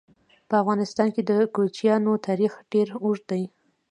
په افغانستان کې د کوچیانو تاریخ ډېر اوږد دی.